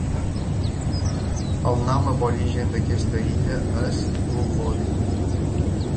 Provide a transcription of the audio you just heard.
El nom aborigen d'aquesta illa és Goolboddi.